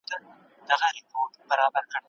تخیل د داستان ښکلا او جذابیت نوره هم زیاتوي.